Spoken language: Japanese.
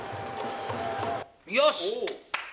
よし！